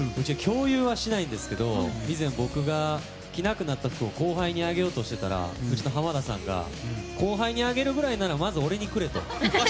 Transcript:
共有はしないんですけど以前、僕が着なくなった服を後輩にあげようとしていたらうちの濱田さんが後輩にあげるぐらいならまず俺にくれと。